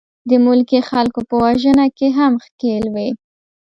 د ملکي خلکو په وژنه کې هم ښکېل وې.